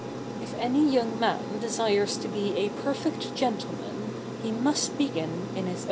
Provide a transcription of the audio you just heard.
If any young man desires to be a perfect gentleman, he must begin in his own home.